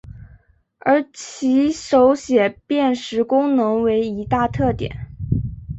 而其手写辨识功能为一大特点。